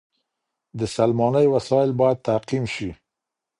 د سلمانۍ وسایل باید تعقیم شي.